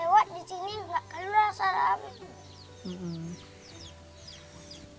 lewat disini gak akan rasa ramit